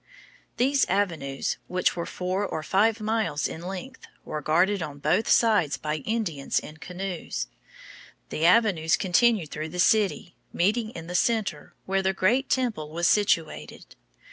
These avenues, which were four or five miles in length, were guarded on both sides by Indians in canoes. The avenues continued through the city, meeting in the center, where the great temple was situated.